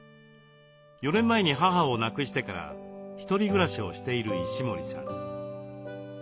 ４年前に母を亡くしてから１人暮らしをしている石森さん。